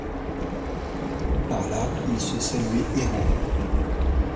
Par là il se saluait héros.